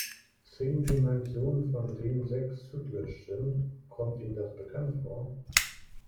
Zehn Dimensionen, von denen sechs zyklisch sind, kommt Ihnen das bekannt vor?